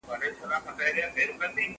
و خوره هم خوړل دي، ونغره هم خوړل دي.